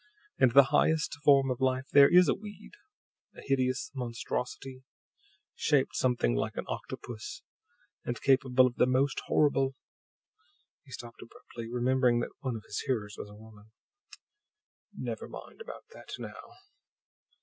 "And the highest form of life there is a weed; a hideous monstrosity, shaped something like an octopus, and capable of the most horrible " He stopped abruptly, remembering that one of his hearers was a woman. "Never mind about that now."